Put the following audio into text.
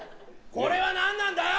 これはなんなんだよ